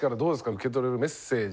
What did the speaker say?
受け取れるメッセージ。